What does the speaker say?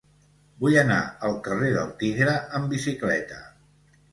Vull anar al carrer del Tigre amb bicicleta.